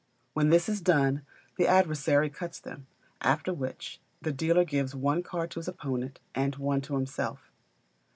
When this is done, the adversary cuts them; after which, the dealer gives one card to his opponent, and one to himself.